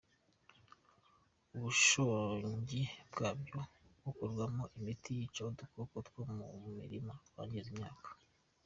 Umushongi wabyo ukorwamo imiti yica udukoko two mu mirima twangiza imyaka.